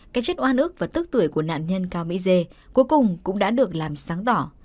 cái chất oa ước và tức tuổi của nạn nhân cao mỹ dê cuối cùng cũng đã được làm sáng tỏ